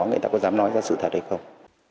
người ta có dám nói ra sự thật hay không